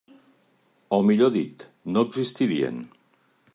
O millor dit, no existirien.